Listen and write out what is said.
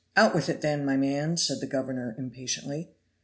"Out with it then, my man," said the governor impatiently.